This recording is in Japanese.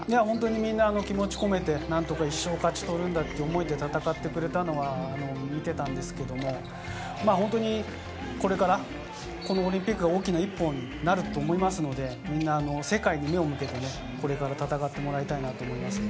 みんな気持ち込めて１勝を勝ち取るんだという思いで戦ってくれたのは見ていたんですけれど、これからこのオリンピックが大きな一歩になると思いますので、みんな世界に目を向けてねこれから戦ってもらいたいなと思います。